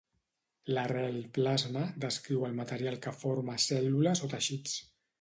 L'arrel "-plasma" descriu el material que forma cèl·lules o teixits.